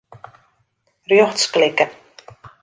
Rjochts klikke.